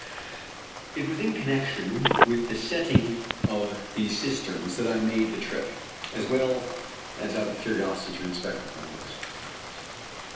It was in connection with the setting up of these cisterns that I made the trip, as well as out of curiosity to inspect the fine works.